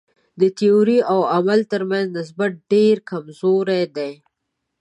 د تیورۍ او عمل تر منځ نسبت ډېر کمزوری دی.